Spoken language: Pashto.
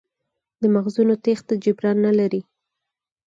د مغزونو تېښته جبران نه لري.